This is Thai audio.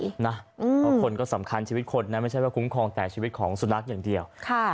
เพราะคนก็สำคัญชีวิตคนนะไม่ใช่ว่าคุ้มครองแต่ชีวิตของสุนัขอย่างเดียว